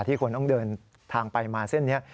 คนต้องเดินทางไปมาเส้นนี้